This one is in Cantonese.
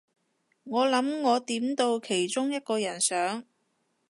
我諗我點到其中一個人相